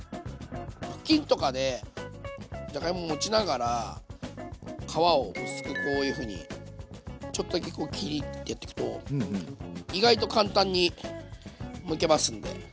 布巾とかでじゃがいも持ちながら皮を薄くこういうふうにちょっとだけこう切りってやってくと意外と簡単にむけますんで。